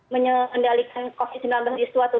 mengendalikan covid sembilan belas di suatu